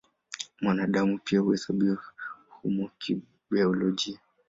Mwanadamu pia huhesabiwa humo kibiolojia.